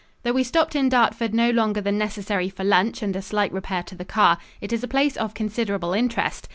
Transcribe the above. Though we stopped in Dartford no longer than necessary for lunch and a slight repair to the car, it is a place of considerable interest.